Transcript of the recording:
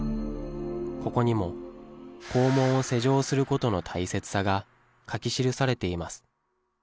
ここにも校門を施錠することの大切さが書き記されています。